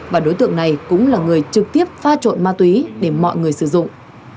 và đối tượng này cũng là người trực tiếp pha trộn ma túy để mọi người sử dụng